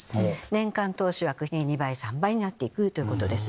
年間投資枠２倍３倍になっていくということです。